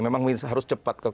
memang harus cepat